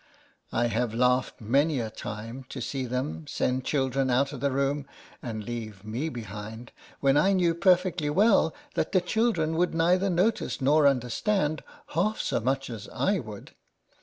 I have laughed many a time to see them 88 LETTERS FROM A CAT. send children out of the room, and leave me behind, when I knew per fectly well that the children would neither notice nor understand half so much as I would.